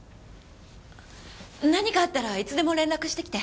何かあったらいつでも連絡してきて。